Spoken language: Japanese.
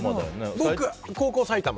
僕、高校、埼玉。